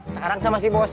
sekarang sama si bos